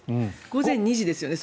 午前２時ですよね。